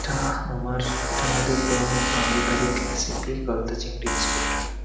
এটা আমাদের পুরনো পারিবারিক রেসিপি, গলদা চিংড়ি বিসকুট।